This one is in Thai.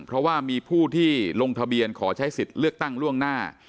เพราะว่ามีผู้ที่ลงทะเบียนขอใช้สิทธิ์เลือกตั้งล่วงหน้า